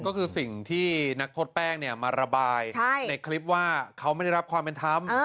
ก็คือสิ่งที่นักโทษแป้งมาระบายในคลิปว่าเขาไม่ได้รับความเป็นธรรม